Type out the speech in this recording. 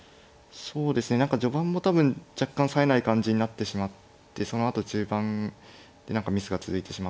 そうですね何か序盤も多分若干さえない感じになってしまってそのあと中盤で何かミスが続いてしまったのかなと思います。